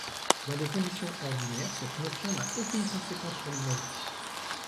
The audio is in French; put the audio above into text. Dans des conditions ordinaires, cette notion n'a aucune conséquence sur l'usager.